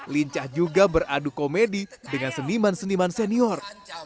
lincah juga beradu komedi dengan seniman seniman senior